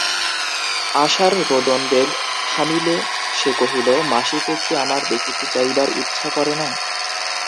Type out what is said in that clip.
আশার রোদনবেগ থামিলে সে কহিল, মাসিকে কি আমার দেখিতে যাইবার ইচ্ছা করে না।